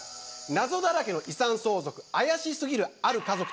謎だらけの遺産相続怪しすぎるある家族。